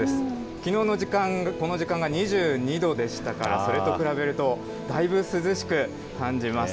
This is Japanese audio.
きのうのこの時間が２２度でしたから、それと比べるとだいぶ涼しく感じます。